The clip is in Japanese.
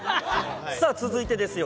さあ続いてですよ。